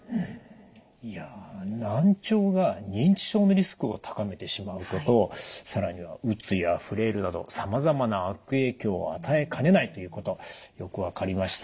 いや難聴が認知症のリスクを高めてしまうこと更にはうつやフレイルなどさまざまな悪影響を与えかねないということよく分かりました。